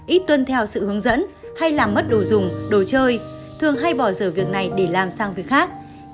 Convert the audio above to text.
ít tuân theo sự hướng dẫn hay làm mất đồ dùng đồ chơi thường hay bỏ giờ việc này để làm sang việc khác